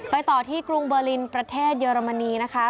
ต่อที่กรุงเบอร์ลินประเทศเยอรมนีนะคะ